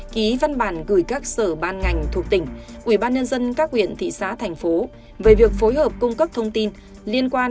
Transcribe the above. ký văn bản gửi các sở ban ngành thuộc tỉnh quỹ ban nhân dân các huyện thị xá thành phố về việc phối hợp cung cấp thông tin